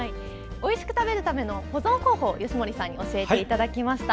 おいしく食べるための保存方法を吉守さんに教えていただきました。